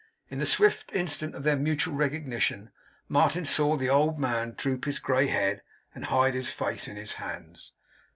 In the swift instant of their mutual recognition, Martin saw the old man droop his grey head, and hide his face in his hands.